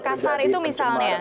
kasar itu misalnya